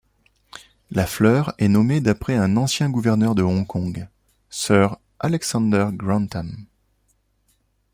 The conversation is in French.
La fleur est nommé d'après un ancien gouverneur de Hong Kong, Sir Alexander Grantham.